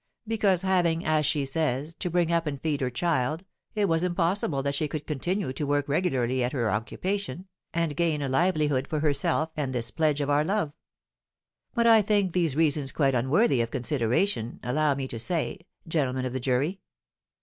Because having, as she says, to bring up and feed her child, it was impossible that she could continue to work regularly at her occupation, and gain a livelihood for herself and this pledge of our love! But I think these reasons quite unworthy of consideration, allow me to say, gentlemen of the jury.